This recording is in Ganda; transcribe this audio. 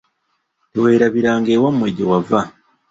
Teweerabiranga ewammwe gye wava.